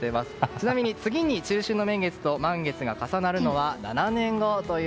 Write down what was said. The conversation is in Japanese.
ちなみに次の中秋の名月と満月が重なるのは７年後です。